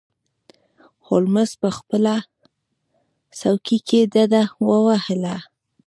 هولمز په خپله څوکۍ کې ډډه ووهله.